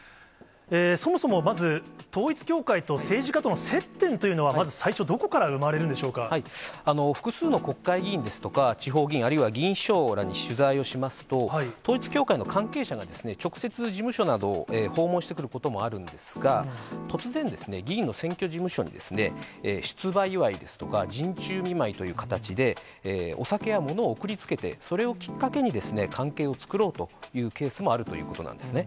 そもそもまず、統一教会と政治家との接点というのはまず最初、どこから生まれる複数の国会議員ですとか、地方議員、あるいは議員秘書らに取材をしますと、統一教会の関係者が直接事務所などを訪問してくることもあるんですが、突然、議員の選挙事務所に出馬祝いですとか、陣中見舞いという形で、お酒や物を送りつけて、それをきっかけに関係を作ろうというケースもあるということなんですね。